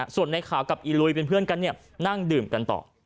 ส่วนในข่าวกับอีลุยเป็นเพื่อนกันนั่งดื่มกันต่อ